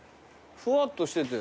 ふわっとしてて。